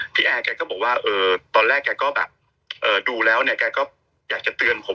แอร์แกก็บอกว่าตอนแรกแกก็แบบดูแล้วเนี่ยแกก็อยากจะเตือนผม